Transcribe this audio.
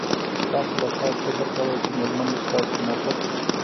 تاسو به شاید فکر کوئ چې میرمنې ستاسو موټر